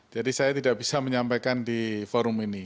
jadi saya tidak bisa menyampaikan di forum ini